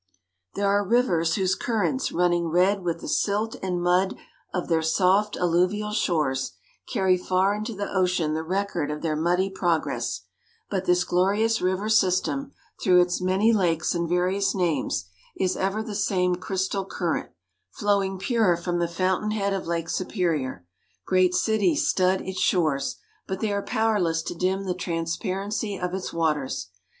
There are rivers whose currents, running red with the silt and mud of their soft alluvial shores, carry far into the ocean the record of their muddy progress; but this glorious river system, through its many lakes and various names, is ever the same crystal current, flowing pure from the fountain head of Lake Superior. Great cities stud its shores; but they are powerless to dim the transparency of its waters.